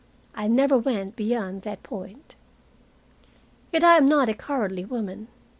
I never went beyond that point. Yet I am not a cowardly woman.